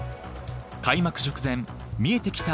開幕直前、見えてきた